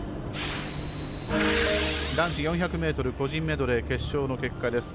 男子４００ｍ個人メドレー決勝の結果です。